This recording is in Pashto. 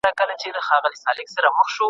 تا د يوې کورنۍ اولادونه دربدره کړل.